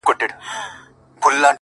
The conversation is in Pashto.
زما ځواني دي ستا د زلفو ښامارونه وخوري’